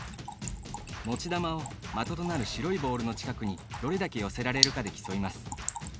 持ち玉を的となる白いボールの近くにどれだけ寄せられるかで競います。